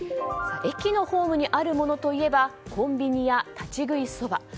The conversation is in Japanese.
駅のホームにあるものといえばコンビニや立ち食いそば。